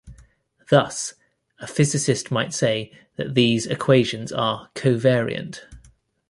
Thus, a physicist might say that these equations are "covariant".